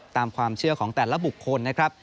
ตามความเชื่อของแต่ละบุคคลนะครับ